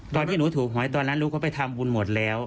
ท่านพี่นูธูขอยตอนนั้นลุ๊คก็ไปทำบุญหมดแล้ว